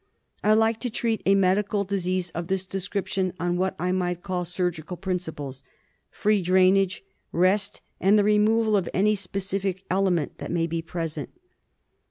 I like to treat a medical disease of this description on what I might call surgical principles — free drainage, rest, and the removal of any specific element that may be present.